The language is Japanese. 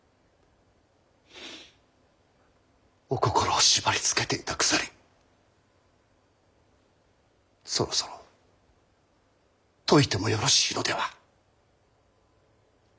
お心を縛りつけていた鎖そろそろ解いてもよろしいのでは？